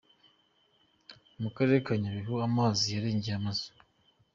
Mu karere ka Nyabihu amazi yarengeye amazu.